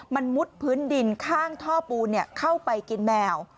มันมุดพื้นดินข้างท่อปูนเข้าไปกินแมว